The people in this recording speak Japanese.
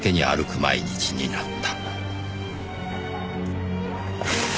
毎日になった。